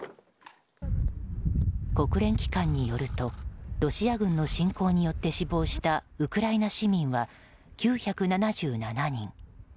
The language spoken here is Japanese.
国連機関によるとロシア軍の侵攻によって死亡したウクライナ市民は９７７人。